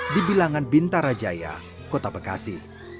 di bilangan bintarajaya kota bekasi